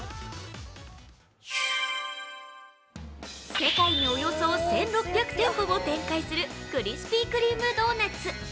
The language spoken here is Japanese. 世界でおよそ１６００店舗を展開するクリスピー・クリーム・ドーナツ。